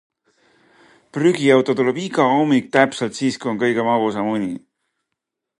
Prügiauto tuleb iga hommik täpselt siis kui on kõige magusam uni